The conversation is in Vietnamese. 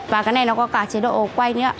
và cái này nó có cả chế độ quay nữa